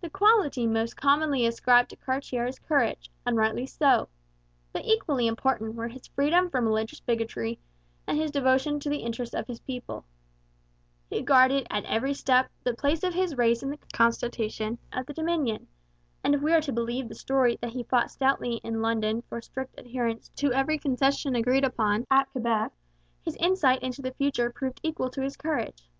The quality most commonly ascribed to Cartier is courage; and rightly so. But equally important were his freedom from religious bigotry and his devotion to the interests of his own people. He guarded at every step the place of his race in the constitution of the Dominion; and if we are to believe the story that he fought stoutly in London for strict adherence to every concession agreed upon at Quebec, his insight into the future proved equal to his courage.